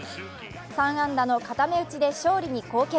３安打の固め打ちで勝利に貢献。